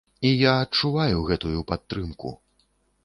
І я адчуваю гэтую падтрымку.